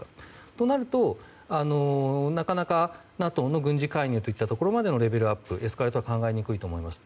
そうなると、なかなかＮＡＴＯの軍事介入までのレベルアップ、エスカレートは考えにくいと思います。